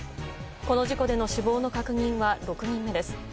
この事故での死亡の確認は６人目です。